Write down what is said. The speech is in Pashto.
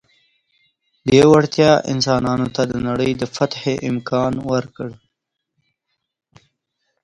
دې وړتیا انسانانو ته د نړۍ د فتحې امکان ورکړ.